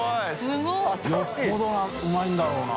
よっぽどうまいんだろうな。